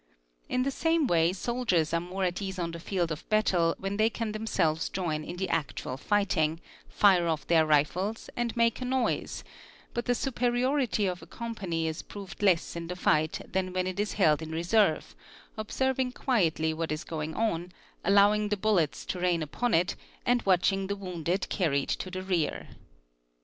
In the same way soldiers are more at ease on the field of battle when they can themselves join in the actual fighting, fire off their rifles, and make a noise; but the superiority of a company is proved less in the fight than when it is held in reserve, observing quietly what is going on, allowing the bullets to rain upon it, and watching the wounded carried to the rear.